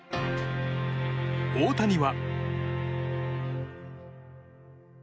大谷は。